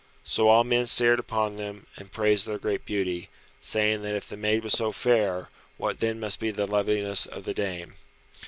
So all men stared upon them, and praised their great beauty, saying that if the maid was so fair, what then must be the loveliness of the dame.